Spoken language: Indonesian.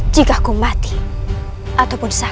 jika ku mati ataupun sakit